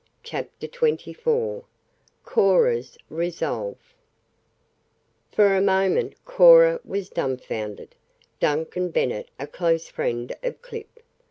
CHAPTER XXIV CORA 'S RESOLVE For a moment Cora was dumfounded. Duncan Bennet a close friend of Clip!